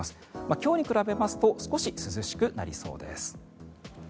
今日に比べますと少し涼しくなりそうです。